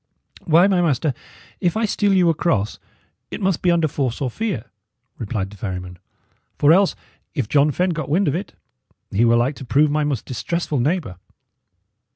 "Why, my master, if I steal you across, it must be under force or fear," replied the ferryman; "for else, if John Fenne got wind of it, he were like to prove my most distressful neighbour."